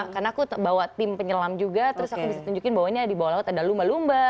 karena aku bawa tim penyelam juga terus aku bisa tunjukin bahwa ini di bawah laut ada lumba lumba